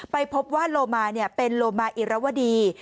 ไปพบว่าโลมาเป็นโลมาอิรวดี